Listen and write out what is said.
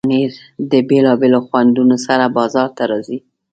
پنېر د بیلابیلو خوندونو سره بازار ته راځي.